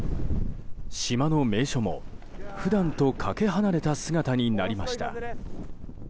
島の名所も、普段とかけ離れた姿になりました。